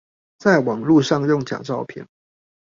在網路上用假照片